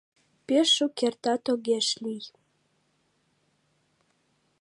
Пеш шукертат огеш лий